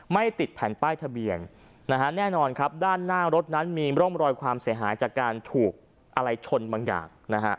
ไม่ติดแผ่นป้ายทะเบียนแน่นอนครับด้านหน้ารถนั้นมีร่องรอยความเสียหายจากการถูกอะไรชนบางอย่าง